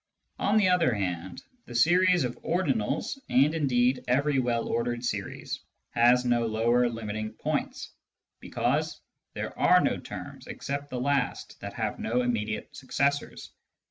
On the other hand, the series of ordinals — and indeed every well ordered series — has no lower limiting points, because there are no terms except the last that have no immediate successors.